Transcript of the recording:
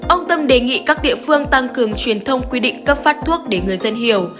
ông tâm đề nghị các địa phương tăng cường truyền thông quy định cấp phát thuốc để người dân hiểu